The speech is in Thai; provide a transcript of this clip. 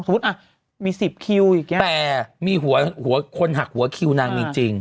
สมมุติอ่ะมีสิบคิวอย่างเงี้ยแต่มีหัวหัวคนหักหัวคิวนางจริงจริง